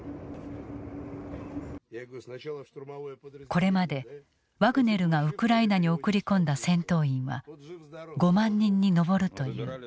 これまでワグネルがウクライナに送り込んだ戦闘員は５万人に上るという。